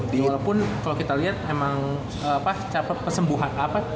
walaupun kalo kita liat emang cara penyembuhan apa